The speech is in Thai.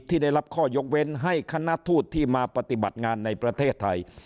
ที่ได้รับข้อยกเว้นให้คณะทูตที่มาปฏิบัติงานในประเทศไทย